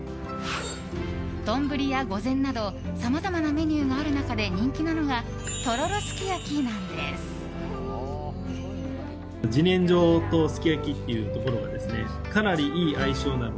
丼や御膳などさまざまなメニューがある中で人気なのがとろろすき焼きなんです。